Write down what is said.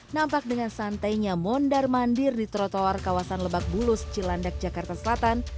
nampak dengan santainya mondar mandir di trotoar kawasan lebak bulus cilandak jakarta selatan